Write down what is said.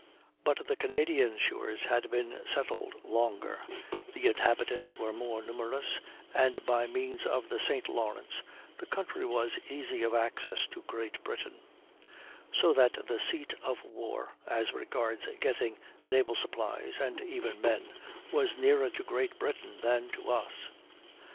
But the Canadian shores had been settled longer, the inhabitants were more numerous, and by means of the St. Lawrence the country was easy of access to Great Britain; so that the seat of war, as regards getting naval supplies, and even men, was nearer to Great Britain than to us.